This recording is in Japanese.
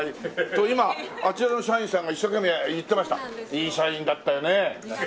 いい社員だったよね。